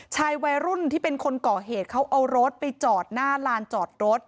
วัยรุ่นที่เป็นคนก่อเหตุเขาเอารถไปจอดหน้าลานจอดรถ